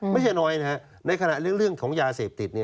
ไม่ใช่น้อยนะฮะในขณะเรื่องของยาเสพติด